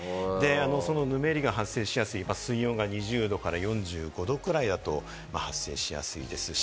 そのぬめりが発生しやすい水温が２０度から４５度ぐらいだと発生しやすいですし。